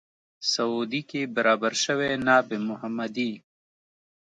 سعودي کې برابر شوی ناب محمدي.